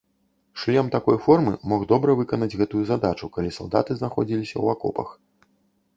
Шлем такой формы мог добра выканаць гэтую задачу, калі салдаты знаходзіліся ў акопах.